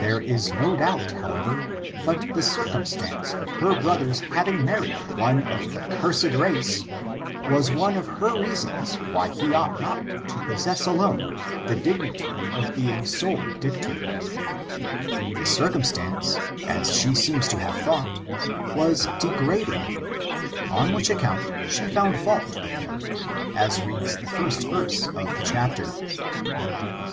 There is no doubt, however, but the cir cumstance of her brother's having married one of the cursed race, was one of her reasons why he ought not to possess alone the dignity of being sole dictator* The circumstance, as she seems to have thought, was degrading, on which account she found fault with him, as reads the first verse of the chapter.